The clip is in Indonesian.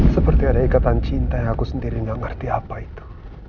seperti ada ikatan cinta yang aku sendiri gak ngerti apa itu